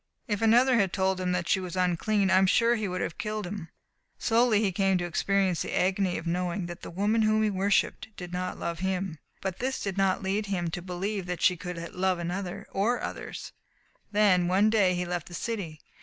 If another had told him that she was unclean I am sure he would have killed him. Slowly he came to experience the agony of knowing that the woman whom he worshipped did not love him. But this did not lead him to believe that she could love another or others. Then, one day, he left the city.